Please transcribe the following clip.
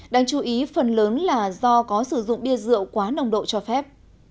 đáng chú ý phần lớn là do có sử dụng bia rượu quá nồng độ cho phép